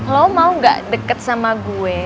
lo mau gak deket sama gue